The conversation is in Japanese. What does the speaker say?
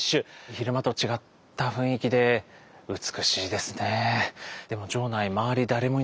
昼間と違った雰囲気で美しいですね。